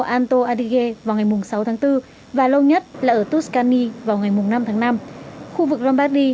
alto adige vào ngày sáu tháng bốn và lâu nhất là ở tuscany vào ngày năm tháng năm khu vực lombardi